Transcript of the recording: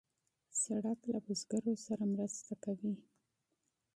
سړک له بزګرو سره مرسته کوي.